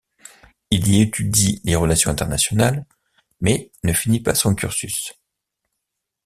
Il y étudie les relations internationales mais ne finit pas son cursus.